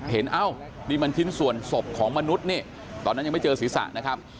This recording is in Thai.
เอ้านี่มันชิ้นส่วนศพของมนุษย์นี่ตอนนั้นยังไม่เจอศีรษะนะครับ